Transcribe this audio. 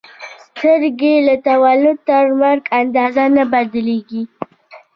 سترګې له تولد تر مرګ اندازه نه بدلېږي.